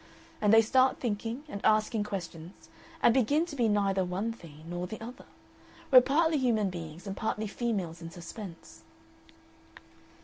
And they start thinking and asking questions, and begin to be neither one thing nor the other. We're partly human beings and partly females in suspense."